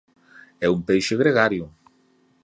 É un peixe gregario.